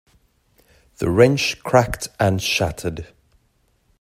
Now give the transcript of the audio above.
The wrench cracked and shattered.